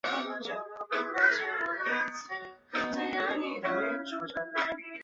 境内有井冈山机场和著名古村落爵誉村。